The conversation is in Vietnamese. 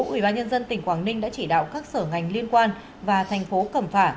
ubnd tỉnh quảng ninh đã chỉ đạo các sở ngành liên quan và thành phố cầm phả